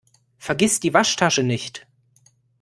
Vergiss die Waschtasche nicht!